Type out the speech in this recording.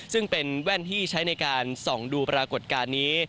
ซึ่งเป็นแว่นที่ใช้ในการส่องดูปรากฏการณ์นี้